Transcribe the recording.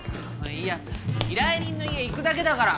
いや依頼人の家行くだけだから。